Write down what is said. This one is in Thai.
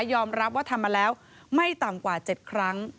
ยอมรับว่าทำมาแล้วไม่ต่ำกว่า๗ครั้ง